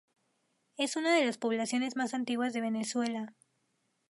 Es una de las poblaciones más antiguas de Venezuela.